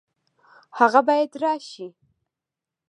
هغه باید راشي